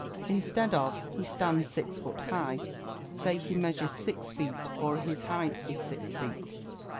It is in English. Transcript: Instead of "He stands six foot high," say "He measures six feet," or "His height is six feet."